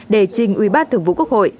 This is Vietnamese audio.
đề trình ủy ban thường vụ quốc hội